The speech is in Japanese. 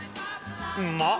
うまっ！